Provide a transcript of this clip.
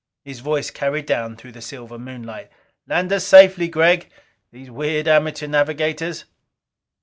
His voice carried down through the silver moonlight: "Land us safely, Gregg. These weird amateur navigators!"